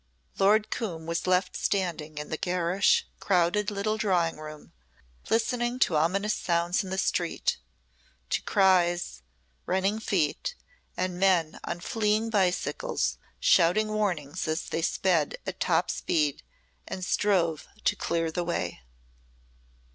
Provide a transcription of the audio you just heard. Lord Coombe was left standing in the garish, crowded little drawing room listening to ominous sounds in the street to cries, running feet and men on fleeing bicycles shouting warnings as they sped at top speed and strove to clear the way.